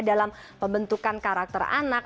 dalam pembentukan karakter anak